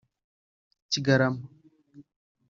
Kigarama